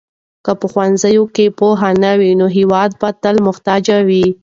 که په ښوونځیو کې پوهه نه وي نو هېواد به تل محتاج وي.